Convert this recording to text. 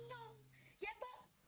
ya dong ya dong